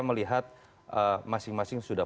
melihat masing masing sudah